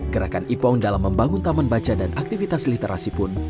gerakan ipong dalam membangun taman baca dan aktivitas literasi pun